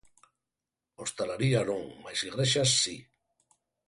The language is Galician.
Hostalaría non mais igrexas si.